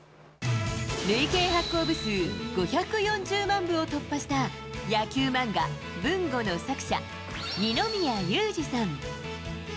累計発行部数５４０万部を突破した野球漫画、ブンゴの作者、二宮裕次さん。